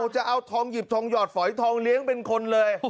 จะเอาทองหยิบทองหยอดฝอยทองเลี้ยงเป็นคนเลย